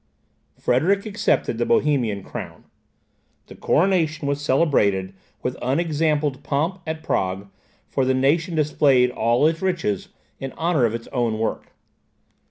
Frederick accepted the Bohemian crown. The coronation was celebrated with unexampled pomp at Prague, for the nation displayed all its riches in honour of its own work.